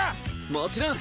もちろん！